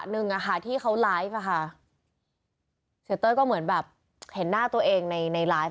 หนึ่งอ่ะค่ะที่เขาไลฟ์อ่ะค่ะเสียเต้ยก็เหมือนแบบเห็นหน้าตัวเองในในไลฟ์